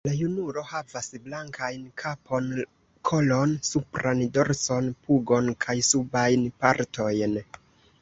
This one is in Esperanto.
La junulo havas blankajn kapon, kolon, supran dorson, pugon kaj subajn partojn.